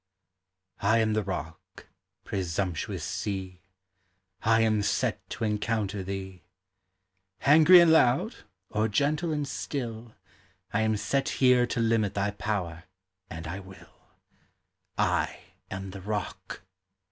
I am the Rock, presumptuous Sea! I am set to encounter thee. Angry and loud, or gentle and still, I am set here to limit thy power, and I will I am the Rock!